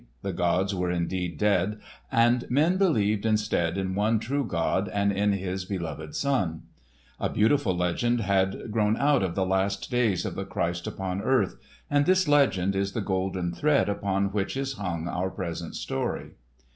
The gods were indeed dead, and men believed instead in one true God and in His beloved Son. A beautiful legend had grown out of the last days of the Christ upon earth; and this legend is the golden thread upon which is hung our present story.